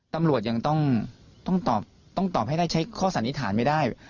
ตำรวจยังต้องตอบให้ได้ใช้ข้อสันนิษฐานไม่ได้